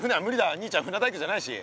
兄ちゃん船大工じゃないし。